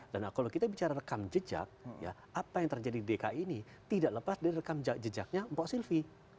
dan kalau kita bicara rekam jejak apa yang terjadi di dki ini tidak lepas dari rekam jejaknya pak silvi